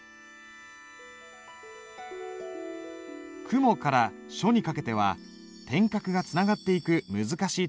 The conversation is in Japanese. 「雲」から「書」にかけては点画がつながっていく難しいところだ。